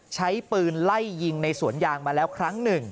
ใช้ปืนไล่ยิงในสวนยางมาแล้วครั้งหนึ่ง